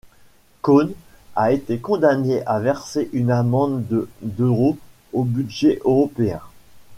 Kone a été condamnée à verser une amende de d'euros au budget européen.